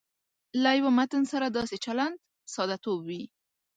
له یوه متن سره داسې چلند ساده توب وي.